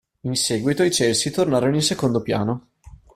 In seguito i Celsi tornarono in secondo piano.